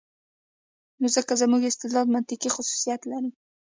نو ځکه زموږ استدلال منطقي خصوصیت لري.